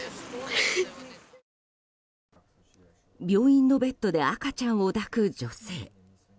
病院のベッドで赤ちゃんを抱く女性。